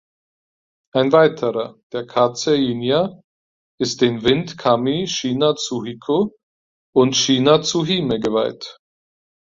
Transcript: Ein weiterer, der "Kaze-jinja", ist den Wind-Kami Shina-tsu-hiko und Shina-tsu-hime geweiht.